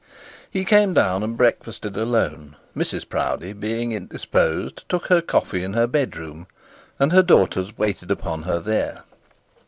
He came down and breakfasted alone; Mrs Proudie being indisposed took her coffee in her bed room, and her daughters waited upon her there.